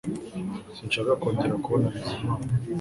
Sinshaka kongera kubona Bizimana